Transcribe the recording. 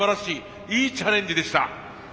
いいチャレンジでした。